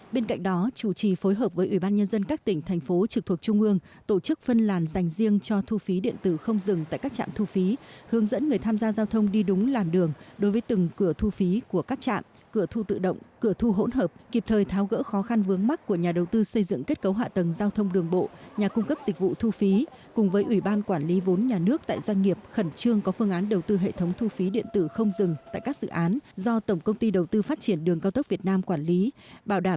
bên cạnh đó chủ trì phối hợp với ủy ban nhân dân các tỉnh thành phố trực thuộc trung ương tổ chức phân làn dành riêng cho thu phí điện tử không dừng tại các trạm thu phí hướng dẫn người tham gia giao thông đi đúng làn đường đối với từng cửa thu phí của các trạm cửa thu tự động cửa thu hỗn hợp kịp thời tháo gỡ khó khăn vướng mắt của nhà đầu tư xây dựng kết cấu hạ tầng giao thông đường bộ nhà cung cấp dịch vụ thu phí cùng với ủy ban quản lý vốn nhà nước tại doanh nghiệp khẩn trương có phương án đầu tư h